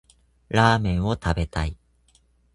ラーメンを食べたい。